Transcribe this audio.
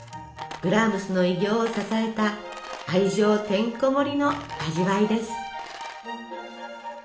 ブラームスの偉業を支えた愛情てんこ盛りの味わいです。